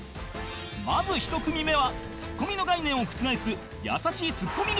まず１組目はツッコミの概念を覆す優しいツッコミ芸人が登場